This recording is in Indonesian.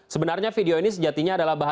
sebenarnya video ini sejatinya adalah